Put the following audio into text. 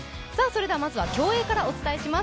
まずは競泳からお伝えします。